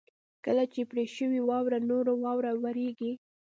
کله چې پر شوې واوره نوره واوره ورېږي.